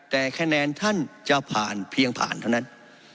แต่คะแนนท่านจะผ่านเพียงผ่านเท่านั้น